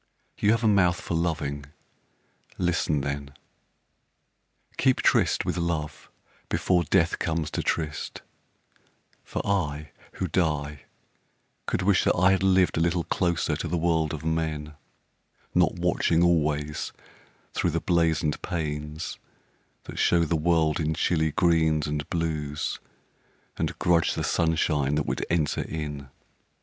You have a mouth for loving listen then: Keep tryst with Love before Death comes to tryst; For I, who die, could wish that I had lived A little closer to the world of men, Not watching always thro' the blazoned panes That show the world in chilly greens and blues And grudge the sunshine that would enter in.